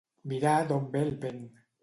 Mirar d'on ve el vent.